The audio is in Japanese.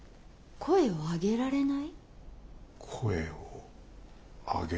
声を上げられない。